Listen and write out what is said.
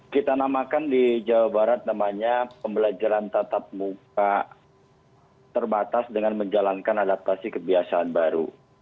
kita namakan di jawa barat namanya pembelajaran tatap muka terbatas dengan menjalankan adaptasi kebiasaan baru